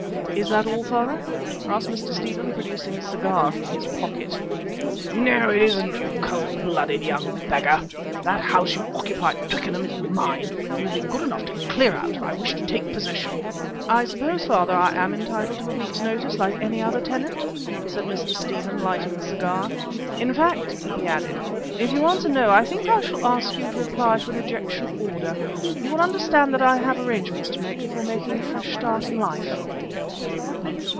"Is that all, father?" asked Mr. Stephen, producing a cigar from his pocket. "No, it isn't, you cold blooded young beggar. That house you occupy at Twickenham is mine. You will be good enough to clear out of it; I wish to take possession." "I suppose, father, I am entitled to a week's notice like any other tenant," said Mr. Stephen, lighting the cigar. "In fact," he added, "if you answer no, I think I shall ask you to apply for an ejection order. You will understand that I have arrangements to make before taking a fresh start in life."